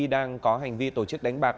đang có hành vi tổ chức đánh bạc